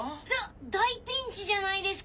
大ピンチじゃないですか！